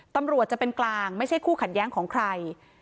ตำรวจจะเป็นกลางไม่ใช่คู่ขัดแย้งของใคร